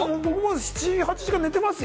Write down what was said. ７８時間寝てますよ。